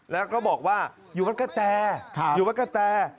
แล้วก็บอกว่าอยู่วัดกะแต่